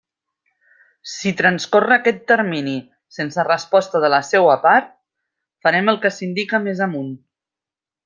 Si transcorre aquest termini sense resposta de la seua part, farem el que s'indica més amunt.